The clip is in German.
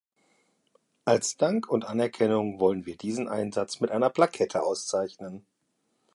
Als Dank und Anerkennung wollen wir diesen Einsatz mit einer Plakette auszeichnen.